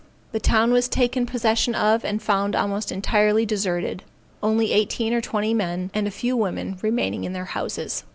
The town was taken possession of and found almost entirely deserted, only eighteen or twenty men, and a few women remaining in their houses.